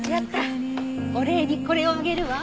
お礼にこれをあげるわ。